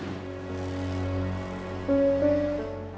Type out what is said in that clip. saya duluan iya kang